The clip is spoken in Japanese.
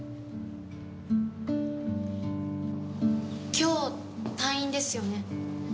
今日退院ですよね？